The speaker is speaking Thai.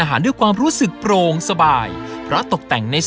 มาปาไม่ต้องกลัวปาอยู่กับพี่